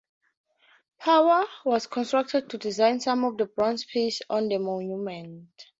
Power was contracted to design some of the bronze pieces on the monument.